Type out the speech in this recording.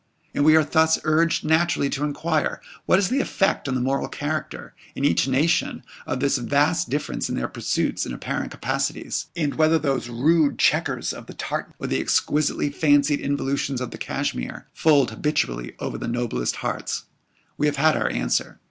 And we are thus urged naturally to enquire what is the effect on the moral character, in each nation, of this vast difference in their pursuits and apparent capacities? and whether those rude chequers of the tartan, or the exquisitely fancied involutions of the Cashmere, fold habitually over the noblest hearts? We have had our answer.